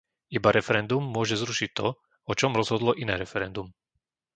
Iba referendum môže zrušiť to, o čom rozhodlo iné referendum.